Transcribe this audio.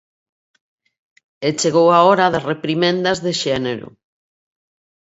E chegou a hora das reprimendas de xénero.